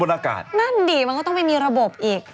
มันก็ต้องไม่มีระบบอีก